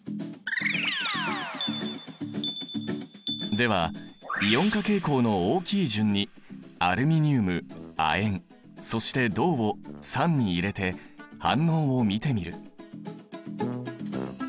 ではイオン化傾向の大きい順にアルミ二ウム亜鉛そして銅を酸に入れて反応を見てみる。